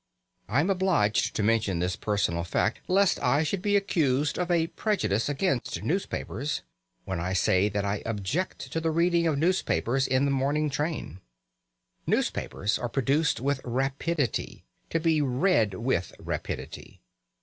I am obliged to mention this personal fact lest I should be accused of a prejudice against newspapers when I say that I object to the reading of newspapers in the morning train. Newspapers are produced with rapidity, to be read with rapidity.